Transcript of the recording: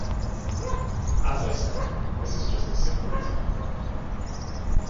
As I said, this is just a simple example.